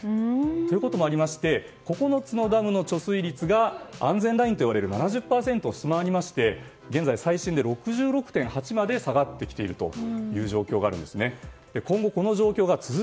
ということもありまして９つのダムの貯水率が安全ラインといわれる７０％を下回りまして現在は最新で６６．８まで下がってきているという状況です。